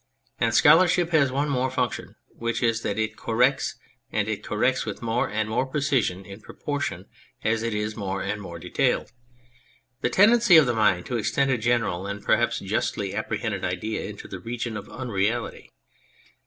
And scholar ship has one more function, which is that it corrects, and it corrects with more and more precision in proportion as it is more and more detailed, the tendency of the mind to extend a general and perhaps justly apprehended idea into the region of unreality.